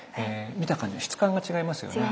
見た感じの質感が違いますよね。